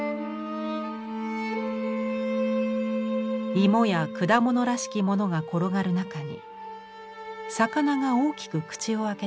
イモや果物らしきものが転がる中に魚が大きく口を開けています。